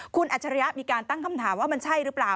คุณอัจฉริยะมีการตั้งคำถามว่ามันใช่หรือเปล่า